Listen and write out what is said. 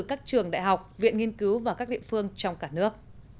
các trường đại học viện nghiên cứu và các địa phương trong cả nước